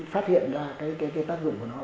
phát hiện ra cái tác dụng của nó